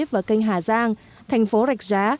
và kênh hà giang thành phố rạch giá